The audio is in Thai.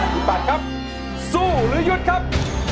คุณปัดครับสู้หรือหยุดครับ